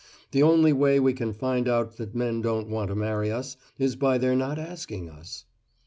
The only way we can find out that men don't want to marry us is by their not asking us.